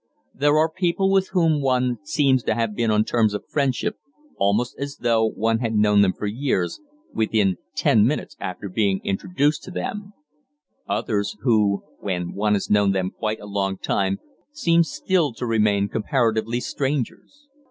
There are people with whom one seems to have been on terms of friendship, almost as though one had known them for years, within ten minutes after being introduced to them; others who, when one has known them quite a long time, seem still to remain comparatively strangers.